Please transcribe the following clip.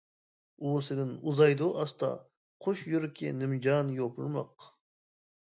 ئۇۋىسىدىن ئۇزايدۇ ئاستا. قۇش يۈرىكى نىمجان يوپۇرماق.